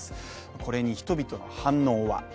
これに人々の反応は？